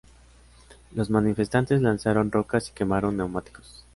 Los manifestantes lanzaron rocas y quemaron neumáticos.